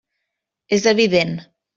És evident.